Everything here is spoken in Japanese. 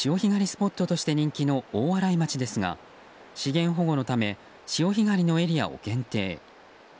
スポットとして人気の大洗町ですが資源保護のため潮干狩りのエリアを限定。